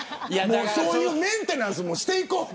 そういうメンテナンスもしていこう。